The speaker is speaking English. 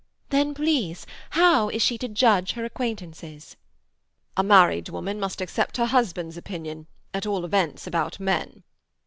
"Then, please, how is she to judge her acquaintances?" "A married woman must accept her husband's opinion, at all events about men."